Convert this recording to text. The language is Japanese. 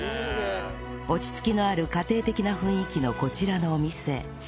落ち着きのある家庭的な雰囲気のこちらのお店